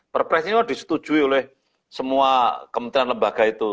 perpres ini disetujui oleh semua kementerian lembaga itu